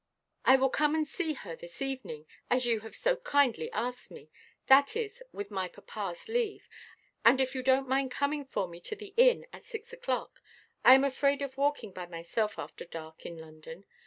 "I will come and see her this evening, as you have so kindly asked me. That is, with my papaʼs leave, and if you donʼt mind coming for me to the inn at six oʼclock. I am afraid of walking by myself after dark in London.